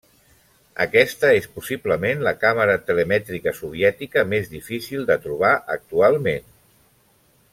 Aquesta és possiblement la càmera telemètrica soviètica més difícil de trobar actualment.